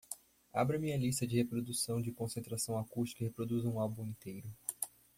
Abra minha lista de reprodução de concentração acústica e reproduza um álbum inteiro